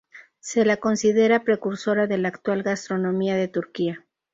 Se la considera precursora de la actual gastronomía de Turquía.